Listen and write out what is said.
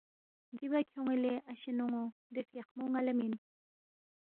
دِیبا کھیونگی لے اشے نون٘و دے فیاخمو ن٘ا لہ مِن